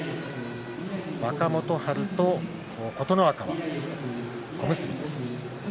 若元春と琴ノ若が小結です。